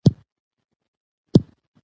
کلاب چې څومره د جهاد په سنګر کې ځنډېدی